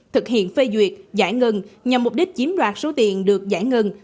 thực hiện phê duyệt giải ngân nhằm mục đích chiếm đoạt số tiền được giải ngân